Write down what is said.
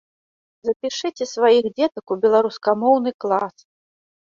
Запішыце сваіх дзетак у беларускамоўны клас!